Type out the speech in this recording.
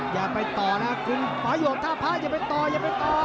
อย่าไปต่อนะคุณป่าหยกถ้าพระอย่าไปต่ออย่าไปต่อ